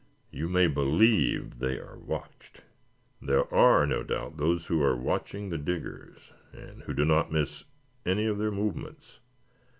You may believe they are watched. There are, no doubt, those who are watching the Diggers, and who do not miss any of their movements."